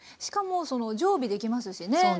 しかも常備できますしね。